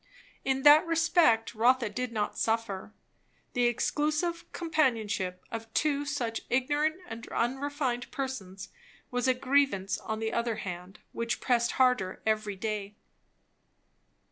In that respect Rotha did not suffer; the exclusive companionship of two such ignorant and unrefined persons was a grievance on the other hand which pressed harder every day.